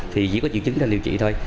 thì chỉ có chữ chứng cho điều trị thôi